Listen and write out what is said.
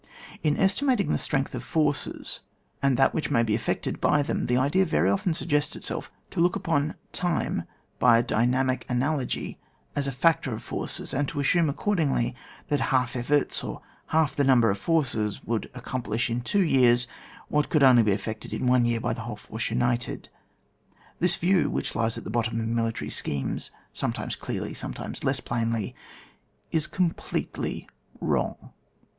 In estimating the strength of forces, and that which may be effected by them, the idea very often suggests itself to look upon time by a dynamic analogy as a factor of forces, and to assume accord ingly that half efforts, or half the num ber of forces would accomplish in two years what could only be effected in one year by the whole force united. This view which lies at the bottom of mihtaiy schemes, sometimes clearly, sometimes less plainly, is completely wrong.